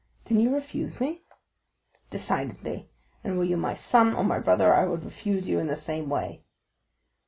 "Then you refuse me?" "Decidedly; and were you my son or my brother I would refuse you in the same way."